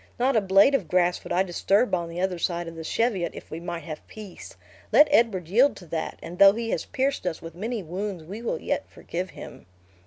Not a blade of grass would I disturb on the other side of the Cheviot, if we might have peace. Let Edward yield to that, and though he has pierced us with many wounds, we will yet forgive him."